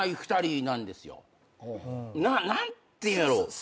何ていうんやろう？